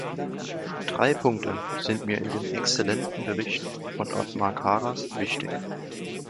Drei Punkte sind mir in dem exzellenten Bericht von Othmar Karas wichtig.